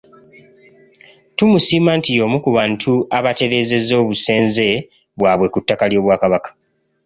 Tumusiima nti y’omu ku bantu abatereezezza obusenze bwabwe ku ttaka ly’obwakabaka.